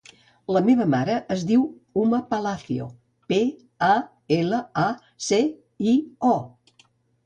La meva mare es diu Uma Palacio: pe, a, ela, a, ce, i, o.